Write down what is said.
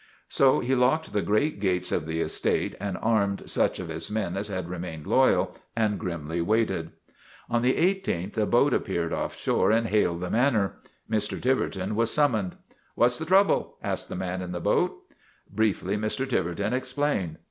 So he locked the great gates of the estate and armed such of his men as had remained loyal, and grimly waited. On the 1 8th a boat appeared offshore and hailed the Manor. Mr. Tiverton was summoned. "What's the trouble?" asked the man in the boat. Briefly Mr. Tiverton explained.